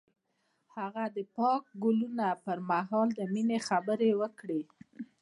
هغه د پاک ګلونه پر مهال د مینې خبرې وکړې.